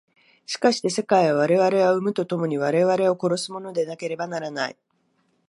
しかして世界は我々を生むと共に我々を殺すものでなければならない。